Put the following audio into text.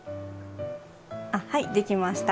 あはいできました。